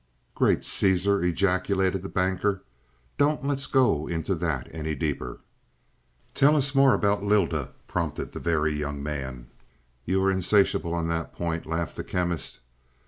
"Great Caesar!" ejaculated the Banker. "Don't let's go into that any deeper!" "Tell us more about Lylda," prompted the Very Young Man. "You are insatiable on that point," laughed the Chemist.